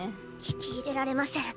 聞き入れられません。